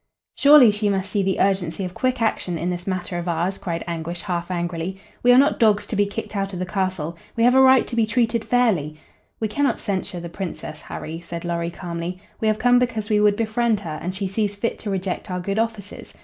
"Surely she must see the urgency of quick action in this matter of ours," cried Anguish half angrily. "We are not dogs to be kicked out of the castle. We have a right to be treated fairly " "We cannot censure the Princess, Harry," said Lorry, calmly. "We have come because we would befriend her, and she sees fit to reject our good offices.